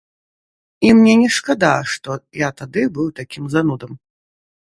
І мне не шкада, што я тады быў такім занудам.